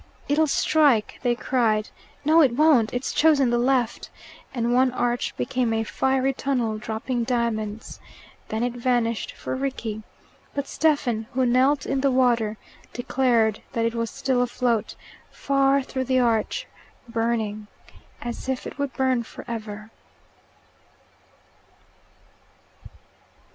"It'll strike!" they cried; "no, it won't; it's chosen the left," and one arch became a fairy tunnel, dropping diamonds. Then it vanished for Rickie; but Stephen, who knelt in the water, declared that it was still afloat, far through the arch, burning as if it would burn forever.